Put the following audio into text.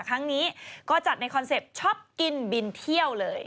ครั้งนี้ก็จัดในคอนเซ็ปต์ชอบกินบินเที่ยวเลย